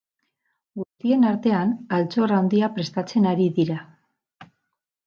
Guztien artean, altxor handia prestatzen ari dira.